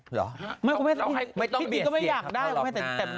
หรอไม่ต้องเบียนเสียงเขาหรอกนะ